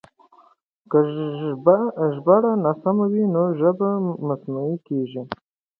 که ژباړه ناسمه وي نو ژبه مصنوعي کېږي.